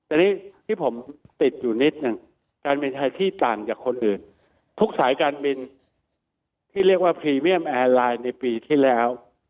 อันนี้ที่ผมติดอยู่นิดหนึ่งการเบียนใช้ที่ต่างจากคนอื่นทุกสายการบินที่เรียกว่าในปีที่แล้ว